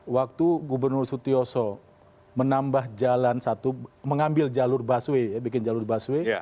waktu gubernur sutioso menambah jalan satu mengambil jalur busway ya bikin jalur busway